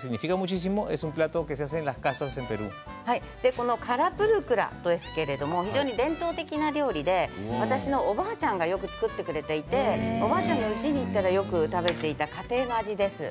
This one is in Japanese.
このカラプルクラですけれど非常に伝統的な料理で私のおばあちゃんが作ってくれていておばあちゃんの家に行ったら食べていた家庭の味です。